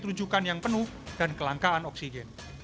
rujukan yang penuh dan kelangkaan oksigen